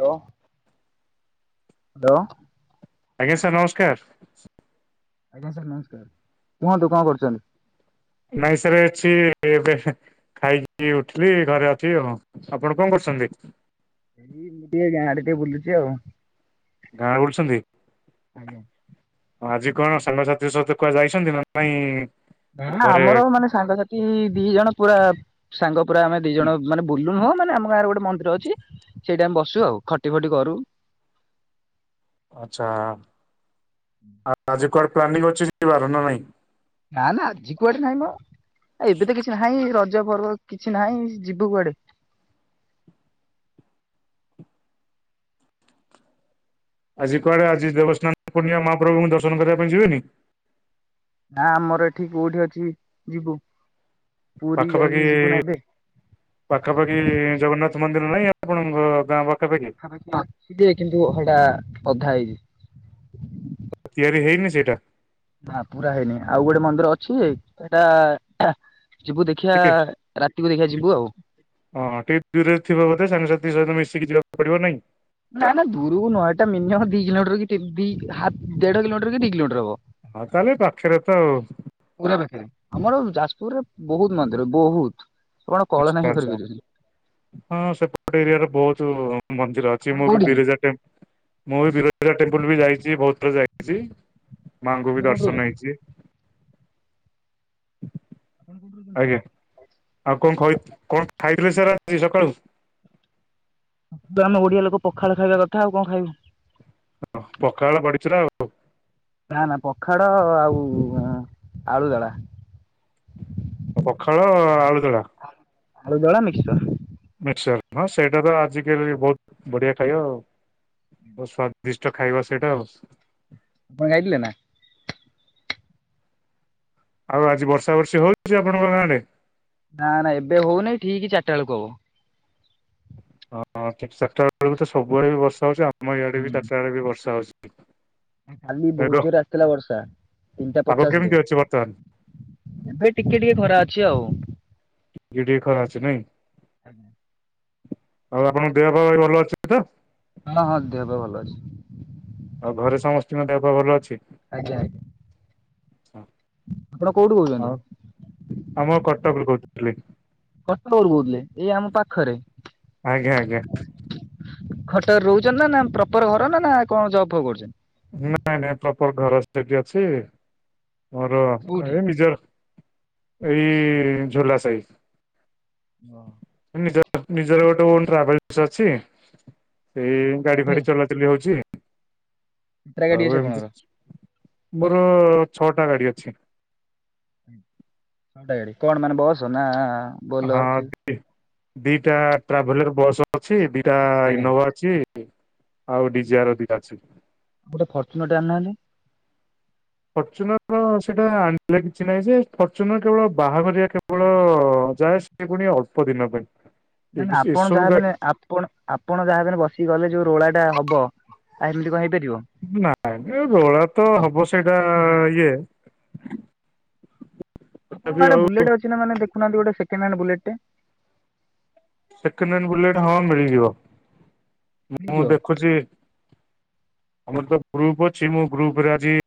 Hello hello ଆଜ୍ଞା, sir ନମସ୍କାର। ଆଜ୍ଞା, ସାର୍ ନମସ୍କାର। କଣ ଦୋକାନ କରିଚନ୍ତି? ନାଇଁ ସରେ ଅଛି ଏବେ ଖାଇକି ଉଠିଲି ଘରେ ଅଛି ଓ ଆପଣ କଣ କରୁଛନ୍ତି? ଏଇ ମୁଁ ଟିକେ ଗାଁ ଆଡେ ଟିକେ ବୁଲୁଛି ଆଉ ଗାଁରେ ବୁଲୁଛନ୍ତି? ଆଜ୍ଞା। ଆଜି କଣ ସାଙ୍ଗସାଥି ସହିତ କୁହା ଯାଇଛନ୍ତି? ନା ନାଇଁ ଘରେ ଆମର ମାନେ ସାଙ୍ଗସାଥି ଦି ଜଣ ପୁରା ସାଙ୍ଗ ପୁରାଆମେ ଦି ଜଣ ମାନ ବୁଲୁଁ ମାନେ, ଆମ ଗାଁରେ ଗୋଟେ ମନ୍ଦିର ଅଛି, ସେଇଠି ଆମେ ବସୁ ଆଉ ଖଟି ଫଟି କରୁ ଆଛା, ଆ ଆଜି କୁଆଡ ପ୍ଲାନିଂ ଅଛି ଯିବାର ନା ନାଇଁ? ନା, ନା, ଆଜି କୁଆଡେ ନହିଁ ମ? ଏବେ ତ କିଛି ନାହିଁ, ରଜ ପର୍ବ କିଛି ନାହିଁ ଯିବୁ କୁଆଡେ? [inaudible] ଆଜି କୁଆଡେ, ଆଜି ଦେବସ୍ନାନ ପୂର୍ଣିମା, ମହାପ୍ରଭୁଙ୍କୁ ଦର୍ଶନ କରିବା ପାଇଁ ଯିବେନି? ନା, ଆମର ଏଠି କୋଉଠି ଅଛି ଯିବୁ? ପୁରୀ ପାଖାପାଖି, ଯାଇକିନି ଯିବୁ ନା ଏବେ ପାଖାପାଖି ଜଗନ୍ନାଥ ମନ୍ଦିର ନା ପାଖାପାଖି ଅଛିଯେ -କିନ୍ତୁ ସେଟା ଅଧା ହେଇଛି। ହ ତିଆରି ହେଇନି ସେଇଟା? ନା ପୁରା ହେଇନି ଆଉ ଗୋଟେ ମନ୍ଦିର ଅଛିଯେ ହେଟା ଟିକେ ଆଉ। ହଁ ଟିକେ ଦୂରେରେ ଥିବା ବୋଧେ ସାଙ୍ଗସାଥି ମିଶିକି ଯିବାକୁ ପଡିବ ନାଇକି। ନା ନା ଦୂରକୁ ନୁହଁ ଏଇା ମିନିମମ ଦି କିଲୋମିଟର କି ଦି ହାତ ଦେଢ କିଲୋମିଟର କି ଦି କିଲୋମିଟର ହବ। ହଁ ତାହେଲେ ପାଖରେ ତ ଆଉ। ପୁରା ପାଖରେ ଆମର ଯାଜପୁରରେ ବହୁତ ମନ୍ଦିର ବହୁତ। ଆପଣ କଳନା ଆଛା ବି ଆଛା କରିପାରିବେନି। ହଁ ସେପଟ ଏରିଆ ର ବହୁତ ମନ୍ଦିର ଅଛି ଆପଣ ମୁଁ ବି କୋଉଠି ଆପଣ ବିରଜା ଟ ମୁଁ ବିରଜା ଟେମ୍ପଲ ବି ଯାଇଛି ବହୁତ ଥ ଯାଇ ଆଜି ମାଙ୍କୁ ବି କୋଉଠି ଦର୍ଶନ ରହୁଛନ୍ତି? ହେଇଛି। ଆଜ୍ଞା ଆଉ କଣ ଖ କଣ ଖାଇଥିଲ ସାର୍ ଆଛି ସକାଳୁ? ଆମ ଓଡିଆ ଲୋକ ପଖାଳ ଖାଇବା କଥା ଆଉ କଣ ଖାଇବୁ। ହ ପକାଳେ ବଡି ଚୁରା ଆଉ। ନା ନା ପଖାଡ ଆଉ ଆଳୁଦଳା। ପଖାଳ ଆଳୁଦଳା ଆଳୁ ଦଳା ମିକ୍ସଚର ମିକଚର୍। ହଁ ସେଇଟା ତ ଆଜିକାଲି ବହୁତ ବଢିଆ ଖାଇବା ଆଉ। ସ୍ଵାଦିଷ୍ଟ ଖାଇବା ସେଇଟା ଆଉ। ଆପଣ ଖାଇଥିଲେ ନା। ଆଉ ଆଜି ବର୍ଷା ବର୍ଷୀ ହଉଛି ଆପଣଙ୍କ ଗାଁ ଅଟେ? ନା ନା ଏବେ ହଉନେଇ ଠିକି ଚାରିଟା ବେଳକୁ ହବ। ହଁ ଠିକ୍ ଚାର ଟା ବେଳକୁ ତ ସବୁଆଡେ ବି ବର୍ଷା ହଉଛି ଆମ ଇଆଡେ ବି ହୁଁ ଚାରିଟା ବେ ବି ବର୍ଷା ହଉଛି। କାଲି ବହୁତ ମେଘ ଜୋରେ ଆସିଥିଲା ବର୍ଷା ତିନିଟା ପାଗ ପଚାଶ ରେ କେମିତି ଅଛି ବର୍ତ୍ତମାନ ଏବେ ଟିକେ ଟିକେ ଖରା ଅଛି ଆଉ। ଟିକିକ ଟିକ ଖରା ଅଛି ନାଇଁ। ଆଉ ଆପଣଙ୍କ ଦେହ ପା ଭଇ ଭଲ ଅଛନ୍ତି ତ। ହଁ ହଁ ଦେହବେ ଭଲ ଅଛି। ଆଉ ଘରେ ସମସ୍ତଙ୍କ ଦେହ ପା ଭଲ ଅଛି। ଆଜ୍ଞା ଆଜ୍ଞା। ହଁ। ଆପଣ କୋଉଠୁ କହୁଛନ୍ତି? ଆମ କଟକରୁ କହୁଥିଲି କଟକରୁ କହୁଥିଲେ ଏଇ ଆମ ପାଖରେ। ଆଜ୍ଞା ଆଜ୍ଞା। କଟକ ରେ ରହୁଛନ୍ତି ନା ନା ପ୍ରପର ଘର ନା ନା କଣ ଜବ୍ ଫବ୍ କରୁଛନ୍ତି? ନାଇଁ ନାଇଁ ପ୍ରପର ଘର ସେଠି ଅଛି ମୋର କୋଉଠି? ଏ ନିଜର। ଏଇ ଝୋଲା ସାହି। ହଁ। ନିଜ ନିଜର ଗୋଟେ ଓନ ଟ୍ରାଭେଲସ ଅଛି ସେଇ ଗାଡି ଫାଡି ଟ୍ରାଭେଲ୍ସ ଚଲାଚଲି ହଉଛି। କେତେଟା ଗାଡି ଆଉ ଏମିତି ଅଛିପଣଙ୍କର। ମୋର ଛଅଟା ଗାଡି ଅଛି। ଛଟା ଗାଡ଼ି କଣ ମାନେ ବସ ନା। ହଁ ବୋଲର କି ଦିଟା ଟ୍ରାଭେଲର ବସ୍ ଅଛି ଦିଟା ଆଜ୍ଞା। ଇନୋଭା ଅଛି। ଆଉ ଡିଜାଆର ଦିଟା ଅଛି। ଗୋଟେ ଫର୍ଚୁନରଟେ ଆଣୁନାହାନ୍ତି ଫର୍ଚୁନର ସେଇଟା ଆଣିଲେ କିଛି ନାହିଁ ଯେ ଫର୍ଚୁନର କେବଳ ବାହାଘରିଆ କେବଳ ହ ଯାହା ସେ ପୁଣି ଅଳ୍ପ ଦିନ ପାଇଁ। ନାଇ ନା ଏ- ଆପଣ ଏସବୁ ଗାଡି ଯାହାବ ଆପଣ ଆପଣ ଯାହାବ ବସିକି ଗଲେ ଯୋଉ ରୋଳା ଟା ହବ। [unintelligible] ନାଇଁ ରୋଳା ତ ହବ ସେଇଟା ଇଏ। ତଥାପି ଆପଣଙ୍କ ଆଡେ ଆଉ ବୁଲେଟ ଅଛି ନା ମାନେ ଦେଖୁନାହାନ୍ତି ଗୋଟେ ସେକଣ୍ଡ ହାଣ୍ଡ ବୁଲେଟ ଟେ। ସେକେଣ୍ଡ ହ୍ୟାଣ୍ଡ ବୁଲେଟ୍ ହଁ ମିଳିଯିବ ମୁଁ ମିଳିଯିବ ଦେଖୁଛି। ଆମର ତ ଗ୍ରୁପ ଅଛି ମୁଁ ଗ୍ରୁପ ରେ ଆଜି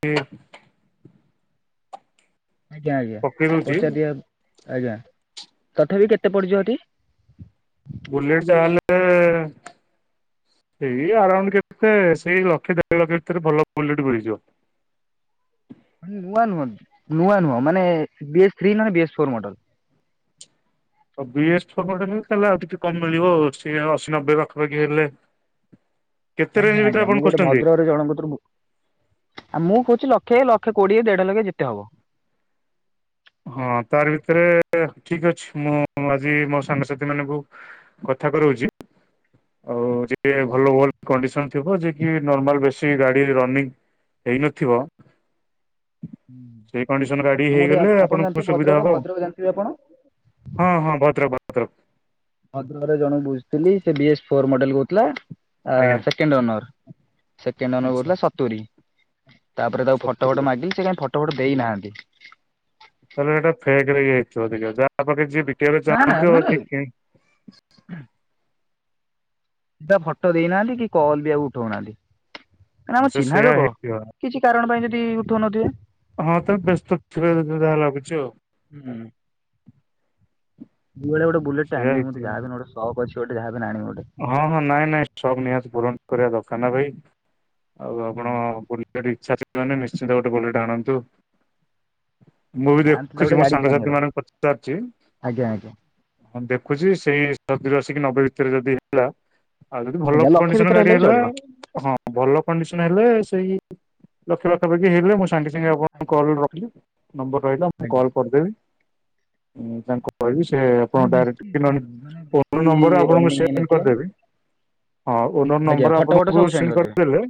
ଆଜ୍ଞା ଆଜ୍ଞା ପକେଇ ଦଉଛି ପଚାରଦିଅ ଆଜ୍ଞା ତଥାପି କେତେ ପଡିଯିବ ଟି? ବୁଲେଟ ଯା ହେଲେ ଏଇ ଆରାଉଣ୍ଡ କେତେ ସେଇ ଲକ୍ଷ ଦେଢ ଲକ୍ଷ ଭିତରେ ଭଲ ବୁଲେଟ ମିଳିଯିବ। [inaudible] ନୂଆ ନୁହଁ ନୂଆ ନୁହଁ ମାନେ ବିଏସ୍ ଥ୍ରୀ ନନେ BS four model. [inaudible] BS four model ହେଲେ ତାହାଲେ ଆଉ ଟିକେ କମ ମିଳିବ ଆଉ ସିଏ ଅଶୀ ନବେ ପାଖାପାଖି ହେଲେ। କେତେ ରେଞ୍ଜ ଆଜ୍ଞା, ଭିତରେ ଆଜ୍ଞା ଆପଣ ମୁଁ ଗୋଟେ ଖୋଜୁଛନ୍ତି? ଭଦ୍ରକରେ ଜଣଙ୍କୁ କତରୁ ବୁ, ଆ, ମୁଁ କହୁଚି ଲ ଲକ୍ଷେ ଲକ୍ଷେ କୋଡିଏ ଦେଢ ଲକ୍ଷେ ଯେତେ ହବ। ହଁ ତାରି ଭିତରେ ଠିକ ଅଛି ମୁଁ ଆଜି ମୋ ସାଙ୍ଗସାଥି ମାନଙ୍କୁ କ ଥା କରଉଚି। ହ ଆଉ ଯିଏ ଭଲ ଭଲ କଣ୍ଡିସନ୍ ଥିବ ଯେ କି ନର୍ମାଲ୍ ବେଶୀ ଗାଡି ରନିଂ ହେଇନଥିବ। ସେଇ କଣ୍ଡିସନ୍ ଗାଡି ମୁଁ ଗୋଟେ ହେଇଗଲେ ଆପଣ ଆପଣଙ୍କ ଜାଣିଥିବେ ସୁବିଧା ଭଦ୍ରକ ହବ। ଭଦ୍ରକ ଜାଣିଥିବେ ଆପଣ? ହଁ ହଁ ଭଦ୍ରକ ଭଦ୍ରକ। ଭଦ୍ରକରେ ଜଣେ ବୁଝୁଥିଲି ସେ ବି ଏସ୍ ଫୋର୍ ମଡେଲ୍ କହୁଥିଲା। ଆ, ଆଜ୍ଞା ସେକେଣ୍ଡ ଅନର୍ ସେକେଣ୍ଡ ଅନର୍ ଆଚ୍ଛା କହୁଥିଲା ସତୁରୀ। ତାପରେ ତାକୁ ଫଟୋ ସତୁରି ଫଟୋ କୋଟି ମାଗିଲି ସେ କାଇଁ ଫଟୋ ଫଟୋ ଦେଇନାହାନ୍ତି। ତାହାଲେ ଏଟା ଫେକ୍ ରେ ଇଏ ହେଇଥିବ ଦେଖିବ ଯାହା ପାଖରେ ଯିଏ ବି କିବାକୁ ନା ନା ଚାହୁଁଥିବ ମାନେ ବାକି କି ତା ଫଟୋ ଦେଇନାହାନ୍ତି କି। କଲ୍ ବି ଆଉ ଉଠଉନାହାନ୍ତି। ନା ହଁ ଆମ ସେ ଚିହ୍ନା ସେଇଆ ଲୋକ ହେଇଥିବ କିଛି କାରଣ ପାଇଁ ଯଦି ଉଠୁଉନଥିବେ। ହଁ ତ ବ୍ୟସ୍ତ ଥିବେ [inaudible] ଯାହା ଲାଗୁଛି। ହୁଁ। ଯୁଆଡେ ଗୋଟେ ବୁଲେଟ ଟେ ସେଇଆ ଆଣିମି ମୁଁ [unintelligible] ହେଇଥିବ ଯାହା ବି ହେନେ ଗୋଟେ ସକ୍ ଅଛି ଗୋଟେ ଯାହା ହଁ, ହଁ ନାଇଁ ନାଇଁ ସକ୍ ନିହାତି ପୂରଣ କରିବା ଦରକାର ନା ଭାଇ। ଆଉ ଆପଣ ହୁଁ ବୁଲ [unintelligible] ଇଚ୍ଛା ଅଛି ମାନେ ନିଶ୍ଚିନ୍ତ ଗୋଟେ ବୁଲେଟ ଆଣନ୍ତୁ। ମୁଁ ବି ଆଣିଥିଲେ ଦେଖୁଚି ଗୋଟେ ମୋ ଗାଡିଟେ ସାଙ୍ଗସାଥି ଆଣିବାର ମାନଙ୍କୁ ପଚାରିଛି ଆଜ୍ଞା ଆଜ୍ଞା ହଁ ଦେ ଖୁଛି ସେଇ ସତୁରୀ ଅଶୀ କି ନବେ ଭିତରେ ଯଦି ହେଲା ଆଉ ଯଦି ଭଲ ଆଜ୍ଞା ଲକ୍ଷେ କଣ୍ଡିସନ ଭିତରେ ଗାଡି ହେଲେ ବି ହେଲା ଚଳିବ। ହଁ ଭଲ କଣ୍ଡିସନ ହେଲେ ସେଇ ଲକ୍ଷ ପାଖାପାଖି ହେଲେ ମୁଁ ସାଙ୍ଗେ ସାଙ୍ଗେ ଆପଣଙ୍କୁ ଆଜ୍ଞା କଲ୍ ରଖିଲେ। ନମ୍ବର୍ ରହିଲା ମୁଁ ଆଜ୍ଞା କଲ୍ କରିଦେବି। ମୁଁ, ତାଙ୍କୁ କହିବି ସେ ସେ ଆପଣ ମାନେ ଡାଇରେକ୍ଟ ବେଶୀ କି ନନେ ଶୁଣୁ ମାନେ ଫୋନ୍ ବେଶୀ ନମ୍ବର୍ ଆପଣଙ୍କୁ ରନିଂ ସେ [inaudible] ହେଇନଥିବ। କରିଦେବି। ହଁ ଓନର୍ ଆଜ୍ଞା ନମ୍ବର୍ ଫଟୋ ଫଟୋ ଆପଣଙ୍କୁ ସବୁ ସେଣ୍ଡ କରିଦେବେ କରିଦେଲେ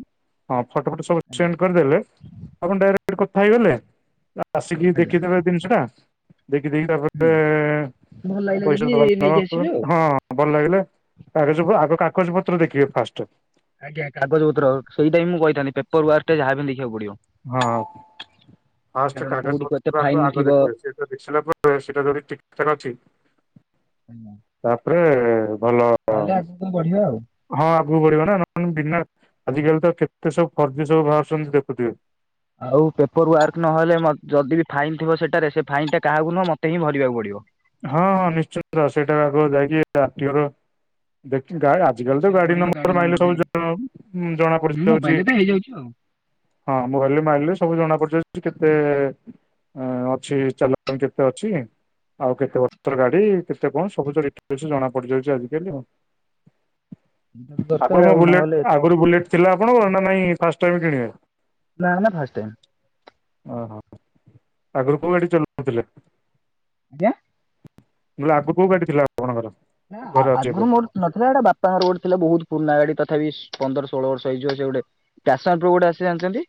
ହଁ ଫଟୋ ଫୋଟ ସବୁ ଆଜ୍ଞା ସେଣ୍ଡ କରିଦେଲେ ଆପଣ ଡାଇରେକ୍ଟ [inaudible] କଥା ହେଇଗଲେ ଆସିକି ଆଜ୍ଞା ଦେଖିଦେବେ ଜିନିଷ ଟା। ଦେଖି ଦେଇ ତାପରେ ହୁଁ ଭଲ ଲାଗିଲା ପଇସା ଯଦି ଦବା ନବା ନେଇକି ଆସିବେ ଆଉ। କରିବାନି ହଁ ଭଲ ଲାଗିଲେ କାଗଜକୁ ଆଗ କାଗଜ ପତ୍ର ଦେଖିବେ ଫାଷ୍ଟ। ଆଜ୍ଞା କାଗଜ ପତ୍ର ସେଇଟା ହିଁ ମୁଁ କହିଥାନ୍ତିି ପେପର୍ ୱାର୍କ ଟା ଯାହାବି ହେନେ ଦେ ହଁ। ଫାଷ୍ଟ କାରଣ କୋଉଠି କାଗଜ କେତେ ପତ୍ର [inaudible] ଫାଇନ ଆକୁ ଆଗ ଥିବ ଦେଖିବେ। ସେଗୁଡା ଦେଖି ସାରିଲା ପରେ ସେଟା ଯଦି ଠିକଠାକ ଅଛି ଆଜ୍ଞା। ପରେ ଭଲ ବଢିବା ଆଉ। ହଁ ଆଗକୁ ବଢିବ ନା ନନେ ବିନା ଆଜିକାଲି ତ କେତେ ସବୁ ଫର୍ଜି ସବୁ ବାହାରୁଛନ୍ତି ଦେଖୁଥିବେ। ଆଉ ପେପର୍ ୱାର୍କ ନହେଲେ ମୋ ଯଦି ବି ଫାଇନ୍ ଥିବ ସେଟାରେ ସେ ଫାଇନ୍ ଟା କାହାକୁ ନୁହଁ ମୋତେ ହିଁ ଭରିବାକୁ ପଡିବ। ହଁ ହଁ ନିଶ୍ଚିନ୍ତ ସେଟା ଆଗ ଯାଇକି ଆରଟିଓ ର ଗା ଆଜିକାଲି ତ ଦେଖିବାକୁ ଗାଡି ପଡିବ ନମ୍ବର୍ ମାଇଲେ ନମ୍ବର ସବୁ ଦେଇ ଜଣାଉ ଉଁ, ଜଣା ପଡି ଯାଉଛି। ମୋବାଇଲରେ ତ ହେଇଯାଉଛି ଆଉ। ହଁ ମୋବାଇଲ୍ ରେ ମାଇଲି ସବୁ ଜଣା ପଡିଯା ଯେ କେତେ ଅଁ, ଅଛି ଚାଲାଣ କେତେ ଅଛି। ଆଉ କେତେ ଗାଡି କେତେ କଣ ସବୁ ଜଣା ପଡିଯାଉଛି ଆଜିକାଲି ଆଉ। ସେଇଟା ତ ଦରକାର ଆପଣଙ୍କର ଆଉ ବୁଲେଟ୍ ନହେଲେ ଆଗରୁ ବୁଲେଟ୍ ଥିଲା ଆପଣଙ୍କ ନା ନାଇଁ ଫାଷ୍ଟ ଟାଇମ କିଣିଲେ। ନା ନା ଫାଷ୍ଟ ଟାଇମ୍। ଓହୋ ଆଗରୁ କୋଉ ଗାଡ଼ି ଚଲଉ ଥିଲ କି? ଆଜ୍ଞା। ଆଗ କୋଉ ଗାଡ଼ି ଥିଲା? ଆପଣଙ୍କର? ଘରେ ଅଛି ଏବେ ଆଗରୁ ମୋର ନଥିଲା ଏଟା ବାପା ଘର ଗୋଟେ ଥିଲେ ବହୁତ- ପୁରୁଣା ଗାଡି ତଥାପି ପନ୍ଦର ଷୋହଳ ବର୍ଷ ହେଇଯିବ ସେ ଗୋଟେ ପେଶନ ପ୍ରୋ ଗୋଟେ ଆସେ ଜାଣିଛନ୍ତି।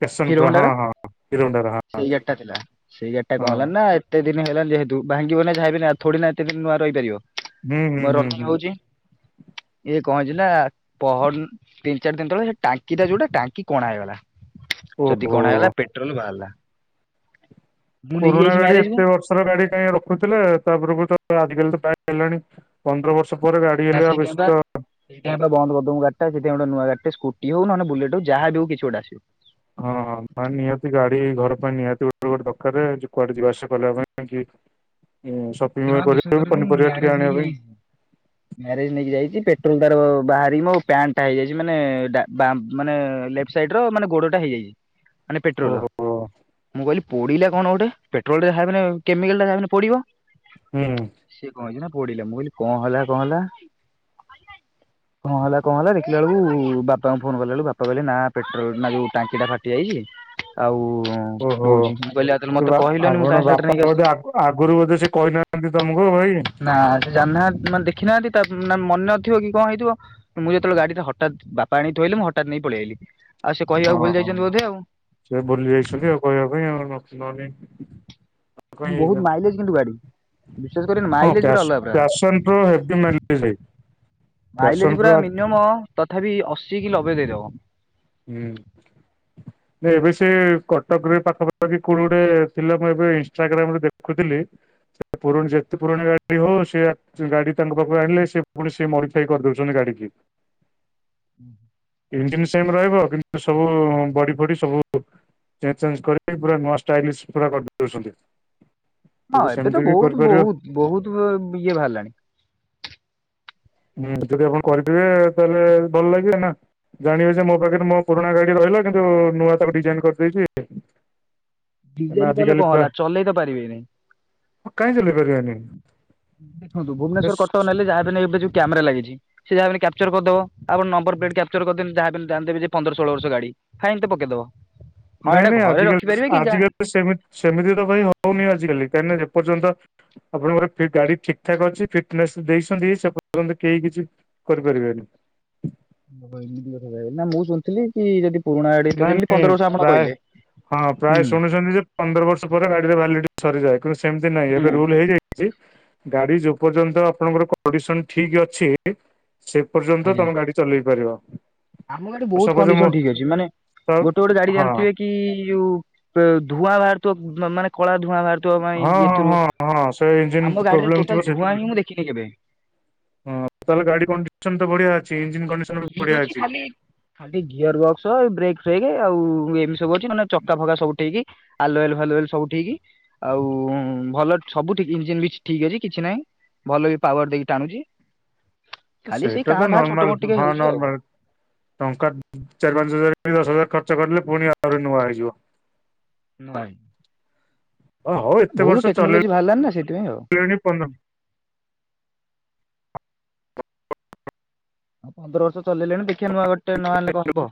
ପେସନ ପ୍ରୋ ହଁ ହୀରୋହଣ୍ଡାର ହଁ ହିରୋ ହୋଣ୍ଡାର ହଁ ହଁ। ସେଇ ଗାଡି ଟା ଥିଲା ସେଇ ଗାଡି ଟା କଣ ହଁ। ହେଲାଣି ନା ଏତେ ଦିନ ହେଲାଣି ଯେହେତୁ ଭାଙ୍ଗିବ ନା ଯାହା ବିି ନା ଥୋଡି ନା ଏତେ ଦିନ ନୂଆ ରହିପାରିବ। ହୁଁ ହୁଁ ମୋର ହୁଁ ରନିଂ ହୁଁ। ହଉଛି ଇଏ କଣ ହେଇଚି ନା ପହର ତିନି ଚାରି ଦିନ ତଳେ ସେ ଟାଙ୍କି ଟା ଯୋଉଟା ଟାଙ୍କି କଣା ହେଇଗଲା। ଯଦି ଓହୋ। କଣା ହେଇଗଲା ପେଟ୍ରୋଲ ବାହାରିଲା ମୁଁ ନେଇକି ପୁରୁଣା ଯାଇଛି ଗାଡି ମ୍ୟାରେଜ କୁ ଏତେ ବର୍ଷର ଗାଡି କାହିଁ ରଖୁଥିଲେ ତାପରକୁ ଆଜିିକାଲି ତ ପ୍ରାଏ ହେଲାଣି ପନ୍ଦର ବର୍ଷ ପରେ ଗାଡି ନା ହେଲେ ଆଉ ବେଶୀ ସେଥିପାଇଁ ବା ତ ସେଥିପାଇଁ ବନ୍ଦ କରିଦବୁ ଗାଡି ଟା ସେଥିପାଇଁ ଗୋଟେ ନୂଆ ଗା ଗୋଟେ ସ୍କୁଟି ହଉ ନହଲେ ବୁଲେଟ ହଉ ଯାହା ବି ହୋଉ କିଛି ଗୋଟେ ଆସିବ। ହଁ ହଁ ମ ନିହାତି ଗାଡି ଘର ପାଇଁ ନିହାତି ଗୋଟେ ଗୋଟେ ଦରକାର କୁଆଡେ ଯିବା ଆସିବା କରିବା ପାଇଁ କି ସେଦିନ ସପିଙ୍ଗ ବା ବିଶ୍ୱାସ କରିବାକୁ କରିବୁନୁ ମୁଁ ପନିପରିବା ଟିକେ ମ୍ୟାରେଜ ଆଣିବା ନେଇକି ପାଇଁ ଯାଇଚି ମ୍ୟାରେଜ ନେଇକି ଯାଇଚି ପେଟ୍ରୋଲ ତାର ବା ବୋହି ମୋ ପଣ୍ଟଟା ହେଇଯାଇଚି ମାନେ ଡା ବା ମାନେ ଲେପ୍ଟ ସାଇଡ୍ ର ମାନେ ଗୋଡଟା ହେଇଯାଇଚି। ମାନେ ପେଟ୍ରୋଲ ଓହୋ ମୁଁ କହିଲି ପଡିଲା କଣ ଗୋଟେ ପେଟ୍ରୋଲ ଯାହାବିହେଲେ କେମିକାଲଟା ଯାହାବି ହେନେ ପଡିବ ହୁଁ ସେ କଣ ହେଇଚି ନା ପଡିଲା ମୁଁ କହିଲି କଣ ହେଲା କଣ ହେଲା କଣ ହେଲା କଣ ହେଲା ଦେଖିଲା ଅଳକୁ ବାପାଙ୍କୁ ଫୋନ କଲା ବେଳକୁ ବାପା କହିଲେ ନା ପେଟ୍ରୋଲ ନା ଯୋଉ ଟାଙ୍କି ଟା ଫାଟି ଯାଇଚି ଆଉ ଓହୋ ବୋଉଛି ମୁଁ କହିଲି ଆଉ ତାହେଲେ ମତେ ବା କହିଲନି ମୁଁ ଆପଣ କାହିଁ ଖାଲିଟାରେ ବାପା ନେଇକି ଆସିଲି। ବୋଧେ ଆଗ ଆଗରୁ ବୋଧେ ସେ, କହିନାହାନ୍ତି ତମକୁ ଭାଇ? ଜାହାନ୍ତିାନ ଦେଖିନାହାନ୍ତି ତା ମେ ମନେ ନଥିବ କି କଣ ହେଇଥିବ ମୁଁ ଯେତେବେଳେ ଗାଡି ଟା ହଠାତ୍ ବାପା ଆଣିଥହିଲେ ମୁଁ ହଠାତ୍ ନେଇ ପଳେଇ ଆଇଲି ଆଉ ସେ ହଁ କହିବାକୁ ଭୁଲି ହଁ ଯାଇଛନ୍ତି ବୋଧେ ଆଉ ସେ ଭୁଲି ଯାଇଛନ୍ତି ଆଉ କହିବା ପାଇଁ ଆଉ ନ ନଥିଲନି। ବହୁତ ମାଇଲେଜ୍ କିନ୍ତୁ ଗାଡି। ବିଶ୍ୱାସ କରିବନି ହଁ ମାଇଲେଜ୍ ପୁରା ଅଲଗ ପ୍ୟାସନ ପ୍ରୋ ହେଭି ମାଇଲେଜ ପ୍ରକାର। ଭାଇ ପ୍ୟାସନ ମାଇଲେଜ୍ ପ୍ରୋ ପୁରା ମିନିମମ୍ ତଥାପି ଅଶୀ କି ଲବେ ଦେଇଦବ। ହୁଁ। ଏବେ ସେ କଟକ ରେ ପାଖପାଖି କୋଉ ଗୋଟେ ଥିଲା ଏବେ ଇନଷ୍ଟାଗ୍ରାମ ରେ ଦେଖୁଥିଲି। ପୁରୁଣ ଯେତେ ପୁରୁଣା ଗାଡି ହଉ ସେ ଗାଡି ତାଙ୍କ ପାଖକୁ ଆଣିଲେ ସେ ପୁଣି ସେ ମଡିଫାଏ କରିଦଉଚନ୍ତି ଗାଡି କି। ହୁଁ ହୁଁ। ଇଞ୍ଜିନ ସେମ୍ ରହିବ କିନ୍ତୁ ସବୁ ବଡି ଫଡି ସବୁ ଚେଞ୍ଜ ଚାଞ୍ଜ କରିକି ପୁରା ନୂଆ ଷ୍ଟାଇଲିସ ପୁରା କରି ଦୋଉଚନ୍ତି। ହଁ ଏବେ ତ ବହୁତ ବହୁତ ବହୁତ ଇଏ ବାହାରିଲାଣି। ହୁଁ ଯଦି ଆପଣ କରିପାରିବେ ତାହେଲେ ଭଲ ଲାଗିବେ ନା? ଜାଣିବେ ଯେ ମୋ ପାଖରେ ମୋ ପୁରୁଣା ଗାଡି ରହିଲା କିନ୍ତୁ ନୂଆ ତାକୁ ଡିଜାଇନ କରିଦେଇଚି। ଡିଜାଇନ୍ କଲେ କଣ ହେଲା ଚଲେଇ ତ ପାରିବେନି। କାହିଁ ଚଲେଇ ପାରିବାନି ଦେଖନ୍ତୁ ବେଶ୍ ଭୁବନେଶ୍ଵର କଟକ ନେଲେ ଯାହାବ ନ ଏବେ ଯୋଉ କ୍ୟାମେରା ଲାଗିଚି ସେ ଯାହା ହେନେ କ୍ୟାପଚର୍ କରିଦବ ଆପଣ ନମ୍ବର ପ୍ଲେଟ୍ କ୍ୟାପଚର୍ କରିଦିଅନ୍ତି ଯାହାବି ହେଲେ ଜାଣିଦେବେ ଯେ ପନ୍ଦର ଷୋଳ ବର୍ଷ ଗାଡି ଫାଇନ୍ ତ ପକେଇଦବ। ନାଇଁ ନାଇଁ ଆଜିିକାଲି ଆଜିକାଲି ସେମି ସେମିତି ତ କାଇଁ ହଉନି ଆଜିକାଲି କାହିଁକି ନା ଏପର୍ଯ୍ୟନ୍ତ ତ ଆପଣଙ୍କର ଗାଡି ଠିକ ଠାକ୍ ଅଛି ଫିଟନେସ୍ ଦେଇଛନ୍ତି ସେ ପର୍ଯ୍ୟନ୍ତ କେହି କିଛି କରିପାରିବେନି। ନା ମୁଁ ଶୁଣିଥିଲି କି ଯଦି ପୁରୁଣା ଗାଡିଟା ନାଇ ଯେମିତି ପନ୍ଦର ନାଇଁ ବର୍ଷ ଆପଣ ପ୍ରାୟ କହିଲେ ହଁ ହୁଁ। ପ୍ରାୟ ଶୁଣିୁଛନ୍ତି ଯେ ପନ୍ଦର ବର୍ଷ ପରେ ଗାଡିରେ ଭାଲିଡି ସରିଯାଏ କିନ୍ତୁ ସେମିତି ନାହିଁ ଏବେ ହୁଁ ରୁଲ ହେଇଯାଇ ଚି ଗାଡି ଯେ ପର୍ଯ୍ୟନ୍ତ ଆପଣଙ୍କର କଣ୍ଡିସନ ଠିକ ଅଛି ସେ ପର୍ଯ୍ୟନ୍ତ ଆଜ୍ଞା। ତମ ଗାଡି ଚଲେଇ ପାରିବ। ଆମ ଗାଡି ଆଉ ବହୁତ ସପୋଜ ମୁଁ କଣ୍ଡିସନ ଠିକ୍ ଅଛି ମାନେ ହଁ ଗୋଟେ ଗୋଟେ ଗାଡି ହଁ ଜାଣିଥିବେ କି ଧୂଆଁଯଉ ବାହାରୁଥିବ ମାନେ କଳା ଧୂଆଁ ବାହାରୁଥିବା ପାଇଁ ଏଥିରୁ ହଁ ହଁ ହଁ ସେ ଇଞ୍ଜିନ ଆମ ଗାଡିରେ ଟୋଟାଲ ଧୂଆଁ ହିଁ ମୁଁ ଦେଖିନି କେବେ ହୁଁ ତାହେଲେ ଗାଡି କଣ୍ଡିସନ ତ ବଢିଆ ଅଛି। ଇଞ୍ଜିନ କଣ୍ଡିସନ ବି ଠିକ ବଢିଆ ଅଛି ଖାଲି ଖାଲି ଗିଅରବକ୍ସ ବ୍ରେକ ଫ୍ରେକ ଆଉ ଏମ ସବୁ ଅଛି ନହେନେ ଚକା ଫକା ସବୁଠିକ। ଆଲୁଏଲ ଫାଲୁଏଲ ସବୁ ଠିକ ଆଉ ଭଲ ସବୁଠିକ ଇଞ୍ଜିନ୍ ବି ଠିକ ଅଛି କିଛି ନାଇଁ। ଭଲ ବି ପାୱାର ଦେଇକି ଟାଣୁଛି। ଖାଲି ସେଇ ସେଇଟା କାଁ ତ ଭାଁ ଛୋଟ ନର୍ମାଲ ମୋଟ ଟିକେ ହଁ ହଉଛି ଆଉ। ନର୍ମାଲ ଟଙ୍କା ଚାରି ପାଞ୍ଚ ହଜାର ଦଶ ହଜାର ଖର୍ଚ୍ଚ କରିଲେ ପୁଣି ଆହୁରି ନୂଆ ହେଇଯିବ। ନାଇଁ। ଓ ହଉ ଏତେ ବହୁତ ବର୍ଷ ଟେକ୍ନୋଲୋଜି ବାହାରିଲାଣି ନା ସେଇଥିପାଇଁ ଆଉ। ଚଲେଇଣି ପନ୍ଦର ଆଉ ପନ୍ଦର ବର୍ଷ ଚଲେଇଲେଣି ଦେଖିଆ ନୂଆ ଗାଡ଼ିଟେ ନଆଣିଲେ କଣ ହବ।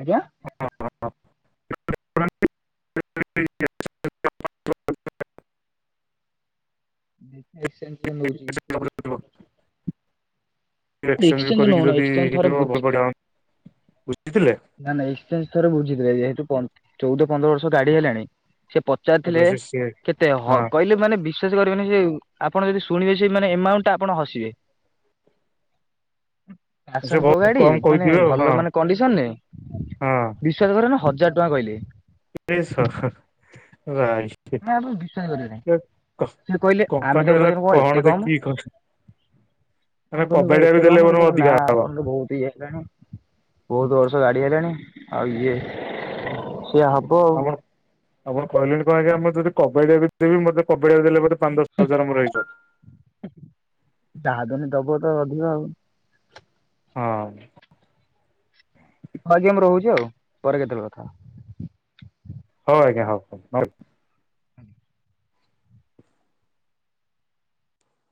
ଆଜ୍ଞା। [unintelligible] ନ [inaudible] ଏକ୍ସଚେଞ୍ଜ କରିକି ଯଦି ଏକ୍ସଚେଞ୍ଜ ଥରେ ହେଇଥିବ ବୁଝି [inaudible] ନା ନା ଏକ୍ସଚେଞ୍ ଥରେ ବୁଝିଥିଲେ ଯେହେତୁ ଚଉଦ ପନ୍ଦର ବର୍ଷ ଗାଡି ହେଲାଣି ସେ ପଚାରିଥିଲେ ଆଚ୍ଛା ସେ ସେ କେତେ ହ ହଁ କହିଲେ ମାନେ ବି ବିଶ୍ୱାସ କରିବେନି ସେ ଆପଣ ଯଦି ଶୁଣିବେ ସେ ମାନେ ଏମାଉଣ୍ଟ ଟା ଆପଣ ହସିବେ। ସେ ଆସନପ ବହୁତ ଗାଡି କମ ମାନେ କହିଥିବେ ଆଉ ଭଲ ହଁ ମାନେ କଣ୍ଡିସନରେ ବିଶ୍ୱାସ କରିଅନି ହଜାର ଟଙ୍କା କହିଲେ। [inaudible] ଭାଇ, ନା ଆପଣ ବିଶ୍ୱାସ କରିବେନି। ସେ କହିଲେ ଆମେ କମ୍ପାନୀ ତାଙ୍କୁ ବାଲା ପଚାରିଲୁ କଣ ଏତେ କହଣ କମ୍ ଦେଖିକି କହ। ଆମେ କହିଲୁ କଣ ଏତେ ଦେଲେ କମରେ ବରଂ କହିଲେ ନା ଅଧିକା ହବ ଆପଣ ତ ବହୁତ ଇଏ ହେଲାଣି। ବହୁତ ବର୍ଷ ଗାଡି ହେଲାଣି ଆଉ ଇଏ ସିଏ ହବ ଆଉ। ଆପଣ ଆପଣ କହିଲେନି କଣପାଇଁ କେଜାଣି ମତେ ଯଦି କବାଡିଆକୁ ବିକି ଦେବି ମତେ କବାଡିଆକୁ ଦେଲେ ପରେ ପାଞ୍ଚ ଦଶ ହଜାର ମୋର ହେଇଯିବ। ସବୁ ତ ଅଧିକ ଆଉ। ହଁ। ହଁ ଆଜ୍ଞା ମୁଁ ରହୁଛି ଆଉ ପରେ କେତେବେଳେ କଥା ହବା। ହଉ ଆଜ୍ଞା ହଉ ହଉ ରହିଲି।